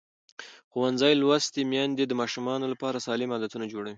ښوونځې لوستې میندې د ماشومانو لپاره سالم عادتونه جوړوي.